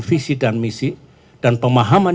visi dan misi dan pemahaman